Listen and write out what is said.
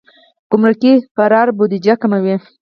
ګمرکي فرار بودیجه کموي.